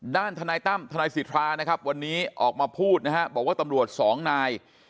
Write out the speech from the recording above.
ทนายตั้มทนายสิทธานะครับวันนี้ออกมาพูดนะฮะบอกว่าตำรวจสองนาย